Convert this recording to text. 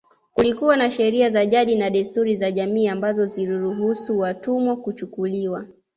Kulikuwa na sheria za jadi na desturi za jamii ambazo ziliruhusu watumwa kuchukuliwa